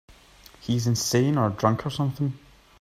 He's insane or drunk or something.